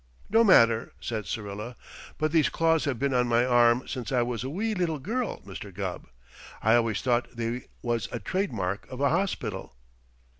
"No matter," said Syrilla. "But these claws have been on my arm since I was a wee little girl, Mr. Gubb. I always thought they was a trademark of a hospital."